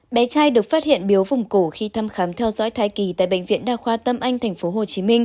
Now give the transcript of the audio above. bé trai được phát hiện biếu vùng cổ khi thăm khám theo dõi thai kỳ tại bệnh viện đa khoa tâm anh tp hcm